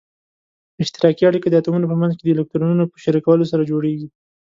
اشتراکي اړیکه د اتومونو په منځ کې د الکترونونو په شریکولو سره جوړیږي.